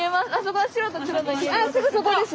あすぐそこです。